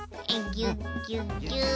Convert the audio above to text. ぎゅっぎゅっぎゅ。